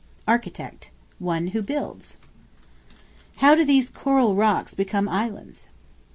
Architect, one who builds. How do these Coral Rocks become Islands?